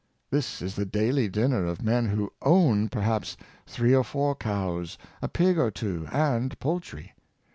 This is the daily dinner of men who o wn perhaps three or four cows, a pig or two, and poultry.